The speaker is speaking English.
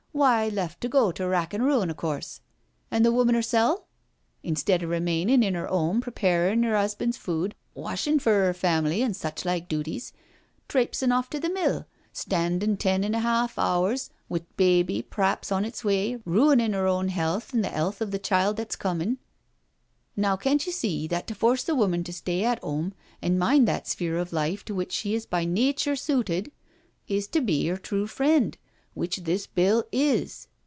Why^ left to go to rack an* ruin, of course. An' the woman hersel'? Instead of remainin* in *er *ome preparin' *er *usband's food, washin' for 'er family an' suchlike dooties, trapesin' off to the mill, standin' ten an' a hawf hours with a baby p'raps on its way, ruinin' 'er own health an' the 'ealth of that child that's coming. Now, can't you see that to force the woman to stay at 'ome an' mind that sphere of life to which she is by nature sooted, is to be 'er true friend, which this Bill is?"